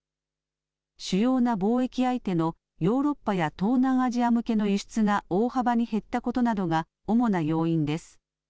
主要な貿易相手のヨーロッパや東南アジア向けの輸出が大幅に減ったことなどが主な要因です。